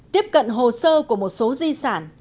tiếp cận hồ sơ của một số di sản